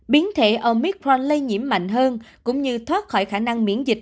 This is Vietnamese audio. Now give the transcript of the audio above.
biến thể omicrand lây nhiễm mạnh hơn cũng như thoát khỏi khả năng miễn dịch